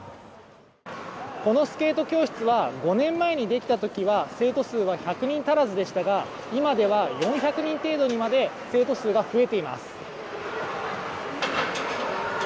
このスケート教室は、５年前にできたときは生徒数は１００人足らずですが今では４００人程度にまで生徒数が増えています。